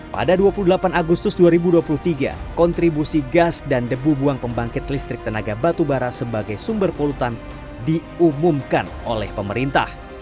pada dua puluh delapan agustus dua ribu dua puluh tiga kontribusi gas dan debu buang pembangkit listrik tenaga batubara sebagai sumber polutan diumumkan oleh pemerintah